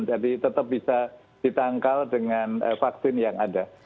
jadi tetap bisa ditangkal dengan vaksin yang ada